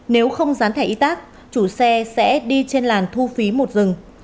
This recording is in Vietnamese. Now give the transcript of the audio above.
nếu không dán thẻ y tác chủ xe sẽ đi trên làn thu phí một dừng